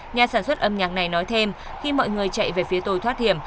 nhà sản xuất âm nhạc này nói thêm khi mọi người chạy về phía tôi thoát hiểm